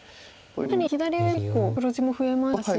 やはり左上も結構黒地も増えましたし。